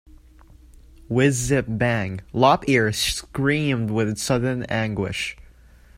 Whiz-zip-bang. Lop-Ear screamed with sudden anguish.